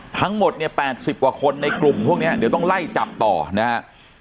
ทั้งหมดเนี่ย๘๐กว่าคนในกลุ่มพวกนี้เดี๋ยวต้องไล่จับต่อนะฮะ